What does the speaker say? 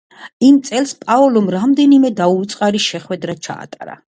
იმ წელს პაოლომ რამდენიმე დაუვიწყარი შეხვედრა ჩაატარა.